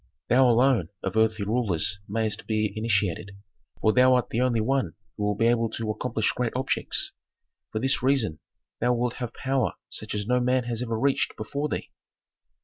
Thou, alone, of earthly rulers mayst be initiated, for thou art the only one who will be able to accomplish great objects. For this reason thou wilt have power such as no man has ever reached before thee."